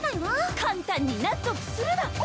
簡単に納得するな！